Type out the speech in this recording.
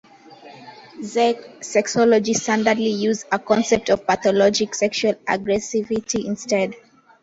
Czech sexology standardly use a concept of pathologic sexual aggressivity instead.